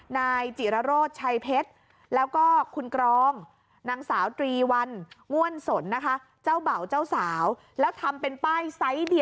นายจีรโรจชายเผ็ด